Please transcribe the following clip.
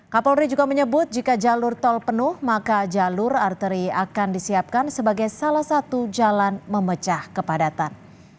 kapolri juga menyebut jika jalur tol penuh maka jalur arteri akan disiapkan sebagai salah satu jalan memecah kepadatan